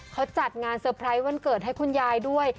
เขาจัดงานเซอร์ไพรส์วันเกิดให้คุณยายด้วย